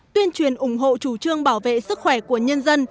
tuyên truyền ủng hộ chủ trương bảo vệ sức khỏe của nhân dân